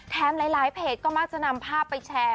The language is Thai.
หลายเพจก็มักจะนำภาพไปแชร์